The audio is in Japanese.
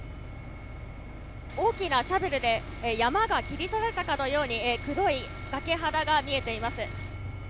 大きなシャベルで、山が切り取られたかのように、黒い崖肌が見えています。